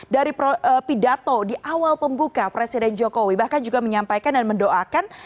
dari pidato di awal pembuka presiden jokowi bahkan juga menyampaikan dan mendoakan